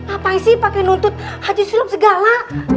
apaan sih pake nuntut haji suluk segala